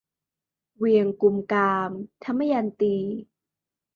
เวียงกุมกาม - ทมยันตี